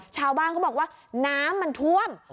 ชาวบ้านเขาบอกว่าน้ำมันท่วม